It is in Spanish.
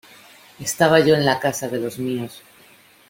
Estaba yo en la casa de los míos.